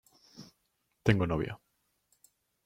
Tengo novia.